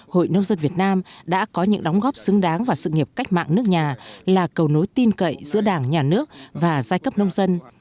hội nông dân việt nam đã có những đóng góp xứng đáng vào sự nghiệp cách mạng nước nhà là cầu nối tin cậy giữa đảng nhà nước và giai cấp nông dân